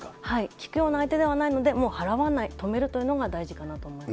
聞くような相手ではないので、もう払わない、止めるということが大事かなと思います。